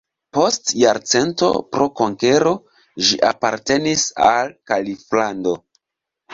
Post jarcento pro konkero ĝi apartenis al kaliflando.